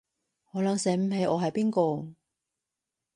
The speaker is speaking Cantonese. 可能醒唔起我係邊個